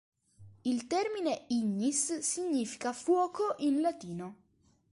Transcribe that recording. Il termine "ignis" significa "fuoco" in latino.